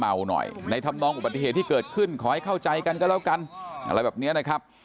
หน่อยในธรรมนองอุบัติเหตุที่เกิดขึ้นขอให้เข้าใจกันก็แล้วกันอะไรแบบนี้นะครับ